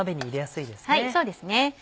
そうですね。